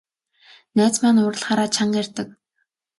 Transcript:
Найз маань уурлахаараа чанга ярьдаг.